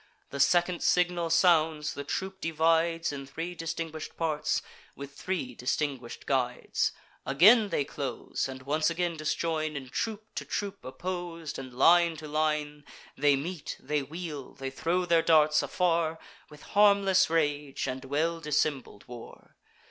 The second signal sounds, the troop divides In three distinguish'd parts, with three distinguish'd guides Again they close, and once again disjoin; In troop to troop oppos'd, and line to line. They meet; they wheel; they throw their darts afar With harmless rage and well dissembled war.